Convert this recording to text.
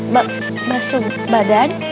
mbak basu badan